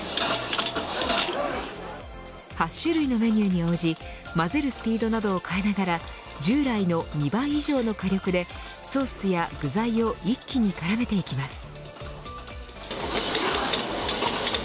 ８種類のメニューに応じ混ぜるスピードなどを変えながら従来の２倍以上の火力でソースや具材を一気に絡めていきます。